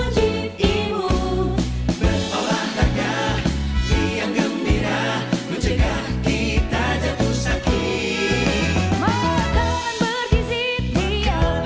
selamat hujan kita masih tetap belajar dan dihidupkan dengan perhatian baik the power si prophet muhammad saw pasti